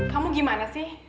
kamu gimana sih